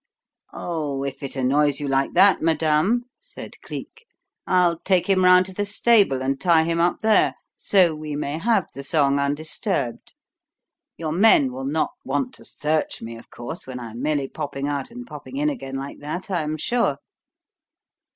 "Oh, if it annoys you like that, madame," said Cleek, "I'll take him round to the stable and tie him up there, so we may have the song undisturbed. Your men will not want to search me of course, when I am merely popping out and popping in again like that, I am sure?"